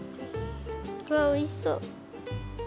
わあおいしそう。